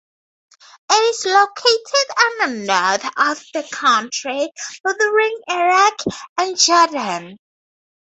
It is located in the north of the country, bordering Iraq and Jordan.